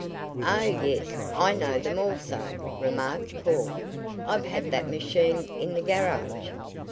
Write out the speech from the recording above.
"Oh, yes, I know them also," remarked Paul. "I've had that machine in the garage."